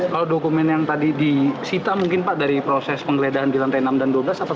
kalau dokumen yang tadi disita mungkin pak dari proses penggeledahan di lantai enam dan dua belas apa